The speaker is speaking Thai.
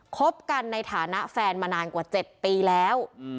คบกันในฐานะแฟนมานานกว่า๗ปีแล้ว